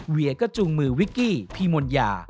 เวียก็จูงมือวิกกี้พี่มนยา